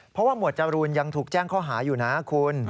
เพราะว่าหมวดจรูนยังถูกแจ้งข้อหาอยู่นะคุณ